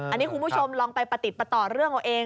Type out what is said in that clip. อันนี้คุณผู้ชมลองไปประติดประต่อเรื่องเอาเอง